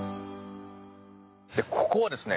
ここはですね